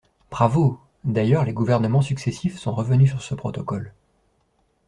Bravo ! D’ailleurs, les gouvernements successifs sont revenus sur ce protocole.